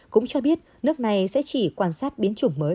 cũng cho biết nước này sẽ chỉ quan sát biến chủng mới